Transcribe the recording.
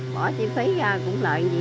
bỏ chi phí ra cũng lợi gì